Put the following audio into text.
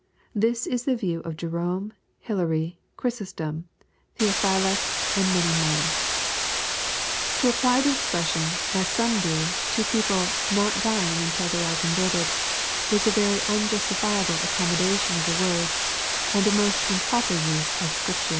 This is the view of Jerome, Hilary, Chiysostom, Theophylact, and many more. 14 I 811 EXPOSITOBY THOUGHTS. To apply the expression, as some do, to pe^ pie '^ not dying until they are converted/' is a very unjustifiable aocommod&tioii of the words, and a most improper use of Scripture.